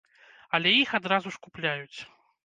Але іх адразу ж купляюць.